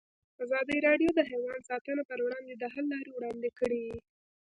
ازادي راډیو د حیوان ساتنه پر وړاندې د حل لارې وړاندې کړي.